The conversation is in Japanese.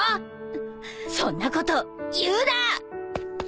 そんなこと言うな！